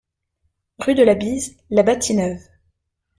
Rue de la Bise, La Bâtie-Neuve